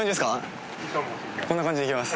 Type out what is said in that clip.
こんな感じで行きます。